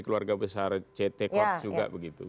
keluarga besar cetekop juga begitu